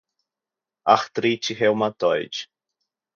Artrite Reumatoide